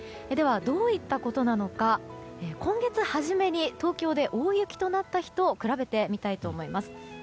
では、どういったことなのか今月初めに東京で大雪となった日と比べてみたいと思います。